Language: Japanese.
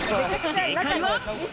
正解は。